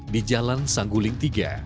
di jalan sangguling tiga